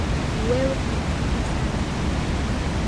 Wewe ni mfupi sana